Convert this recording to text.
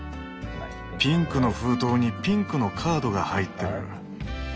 ピンクの封筒にピンクのカードが入ってる。